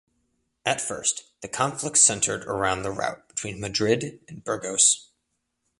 At first, the conflict centered around the route between Madrid and Burgos.